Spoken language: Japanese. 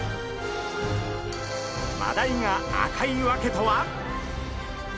マダイが赤い訳とは！？